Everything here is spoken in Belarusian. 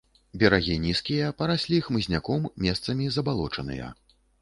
Берагі нізкія, параслі хмызняком, месцамі забалочаныя.